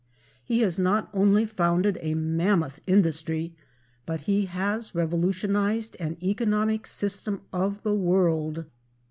He has not only founded a mammoth industry, but he has revolutionized an economic system of the world.